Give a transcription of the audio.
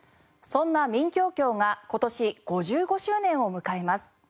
そんな民教協が今年５５周年を迎えます。